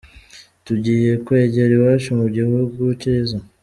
Tugiye kugera iwacu, mu gihugu cyiza…”.